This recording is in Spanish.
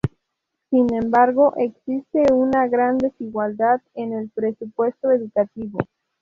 Sin embargo, existen una gran desigualdad en el presupuesto educativo.